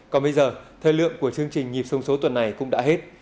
còn bây giờ thời lượng của chương trình nhịp sông số tuần này cũng đã hết